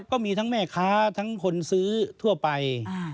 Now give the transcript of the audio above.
ก็มีทั้งแม่ค้าทั้งคนซื้อทั่วไป